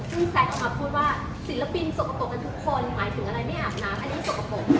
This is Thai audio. ซึ่งแฟนออกมาพูดว่าศิลปินสกปรกกันทุกคนหมายถึงอะไรไม่อาบน้ำอันนี้สกปรก